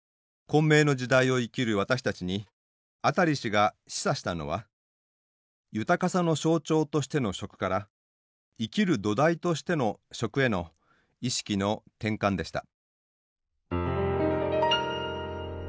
混迷の時代を生きる私たちにアタリ氏が示唆したのは豊かさの象徴としての「食」から生きる土台としての「食」への意識の転換でした。